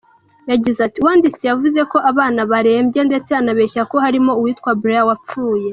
Yagize ati “ Uwanditse yavuze ko abana barembye, ndetse anabeshya ko harimo uwitwa Brian wapfuye.